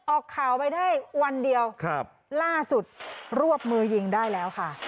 ออกข่าวไปได้วันเดียวล่าสุดรวบมือยิงได้แล้วค่ะ